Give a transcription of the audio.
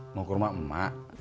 mau ke rumah emak